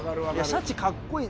シャチかっこいい。